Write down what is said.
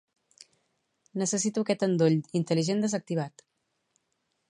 Necessito aquest endoll intel·ligent desactivat.